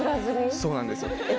そうなんですよえっ